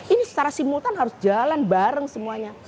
ini secara simultan harus jalan bareng semuanya